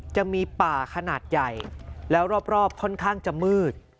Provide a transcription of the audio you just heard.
จะมีป่าขนาดใหญ่แล้วรอบค่อนข้างจะมืด